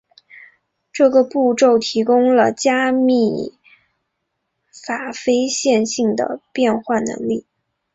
这个步骤提供了加密法非线性的变换能力。